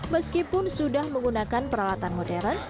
meskipun sudah menggunakan peralatan modern